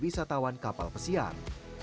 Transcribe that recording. wisatawan kapal pesiar